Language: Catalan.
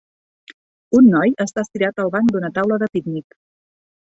Un noi està estirat al banc d'una taula de pícnic.